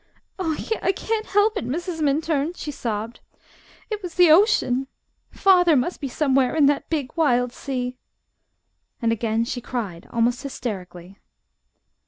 "Oh, I can't help it, Mrs. Minturn!" she sobbed. "It was the ocean. Father must be somewhere in that big, wild sea!" and again she cried almost hysterically.